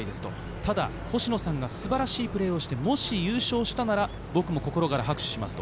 ただ星野さんが素晴らしいプレーをして、もし優勝したなら、僕も心から拍手しますと。